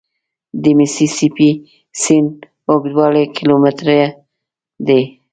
د میسي سي پي سیند اوږدوالی کیلومتره دی.